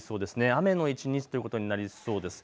雨の一日ということになりそうです。